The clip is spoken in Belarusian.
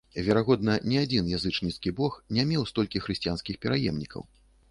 Верагодна, ні адзін язычніцкі бог не меў столькі хрысціянскіх пераемнікаў.